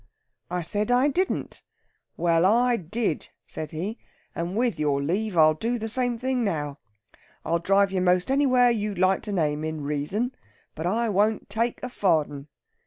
I said I didn't. 'Well, I did,' said he. 'And, with your leave, I'll do the same thing now. I'll drive you most anywhere you'd like to name in reason, but I won't take a farden.'